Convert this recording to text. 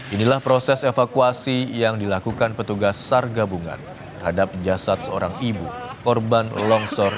inilah proses evakuasi yang dilakukan petugas sar gabungan terhadap jasad seorang ibu korban longsor